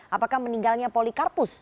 apakah meninggalnya polikarpus